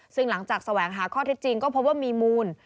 ซึ่งหลังจากแสวงหาข้อเท็จจริงก็พบว่ามีมูล